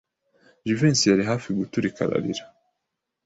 Jivency yari hafi guturika arira.